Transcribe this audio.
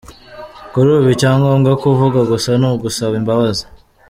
Kuri ubu icyo ngomba kuvuga gusa ni ugusaba imbabazi".